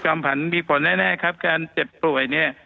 ผันมีผลแน่ครับการเจ็บป่วยเนี่ย